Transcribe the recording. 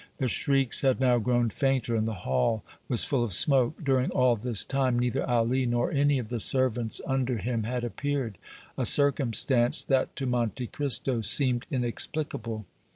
The shrieks had now grown fainter and the hall was full of smoke. During all this time neither Ali nor any of the servants under him had appeared, a circumstance that, to Monte Cristo, seemed inexplicable.